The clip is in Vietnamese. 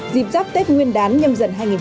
dịp dắp tết nguyên đán nhâm dần hà nội